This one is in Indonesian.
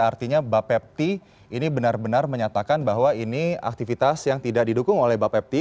artinya bapepti ini benar benar menyatakan bahwa ini aktivitas yang tidak didukung oleh bapepti